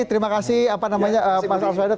terima kasih mas arief